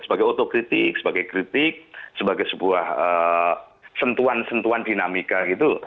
sebagai otokritik sebagai kritik sebagai sebuah sentuhan sentuhan dinamika gitu